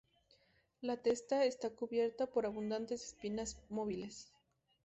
La testa está cubierta por abundantes espinas móviles.